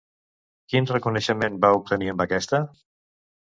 Quin reconeixement va obtenir amb aquesta?